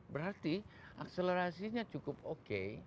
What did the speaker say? berarti akselerasinya cukup oke